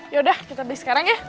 yaudah kita beli sekarang ya